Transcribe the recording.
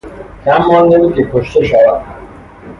کم مانده بود که کشته شود